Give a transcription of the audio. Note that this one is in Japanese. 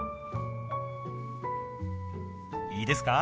いいですか？